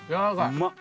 うまっ。